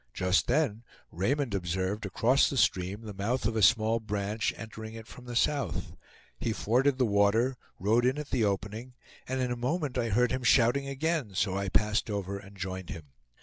Just then Raymond observed across the stream the mouth of a small branch entering it from the south. He forded the water, rode in at the opening, and in a moment I heard him shouting again, so I passed over and joined him.